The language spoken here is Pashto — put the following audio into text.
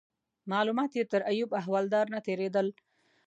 معلومات یې تر ایوب احوالدار نه تیرېدل.